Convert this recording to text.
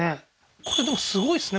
これでもすごいですね